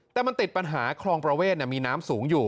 แต่มันติดปัญหาคลองประเวทมีน้ำสูงอยู่